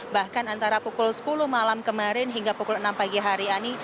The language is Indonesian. bahkan antara pukul sepuluh malam kemarin hingga pukul enam pagi hari ini